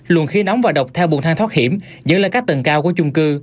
luồn khí nóng và độc theo bùn thang thoát hiểm dẫn lên các tầng cao của chung cư